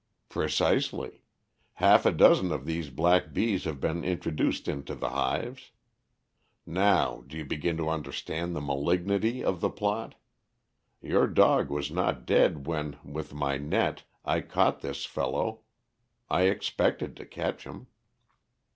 "Precisely. Half a dozen of these black bees have been introduced into the hives. Now, do you begin to understand the malignity of the plot? Your dog was not dead when, with my net, I caught this fellow I expected to catch him."